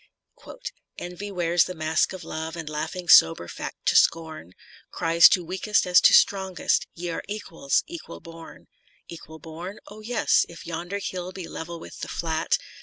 Envy wears the mask of Love, and laughing sober fact to scorn, Cries to Weakest as to Strongest, " Ye are equals, equal born." Equal born ? O yes, if yonder hill be level with the flat.